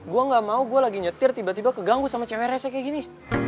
gue gak mau gue lagi nyetir tiba tiba keganggu sama cewek resnya kayak gini